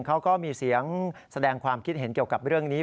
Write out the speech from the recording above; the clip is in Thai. เขาก็มีเสียงแสดงความคิดเห็นเกี่ยวกับเรื่องนี้